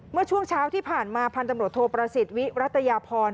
เมื่อช่วงเช้าที่ผ่านมาพันธุ์ตำรวจโทประสิทธิ์วิรัตยาพร